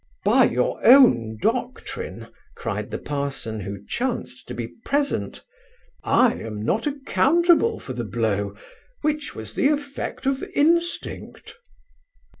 'By your own doctrine (cried the parson, who chanced to be present), I am not accountable for the blow, which was the effect of instinct.